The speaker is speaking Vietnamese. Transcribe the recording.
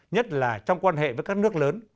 nhất là trong quan hệ với các nước lớn